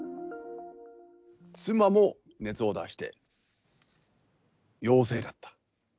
妻も熱を出して、陽性だった。